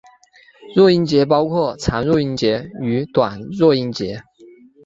弱音节包括长弱音节和短弱音节。